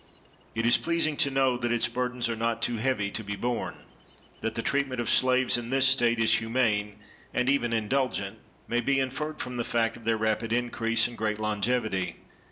It is pleasing to know that its burdens are not too heavy to be borne. That the treatment of slaves in this state is humane, and even indulgent, may be inferred from the fact of their rapid increase and great longevity.